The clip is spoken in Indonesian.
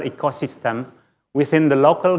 di dalam pemerintah lokal